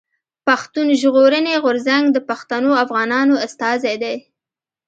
پښتون ژغورني غورځنګ د پښتنو افغانانو استازی دی.